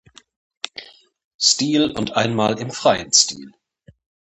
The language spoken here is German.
Stil und einmal im freien Stil.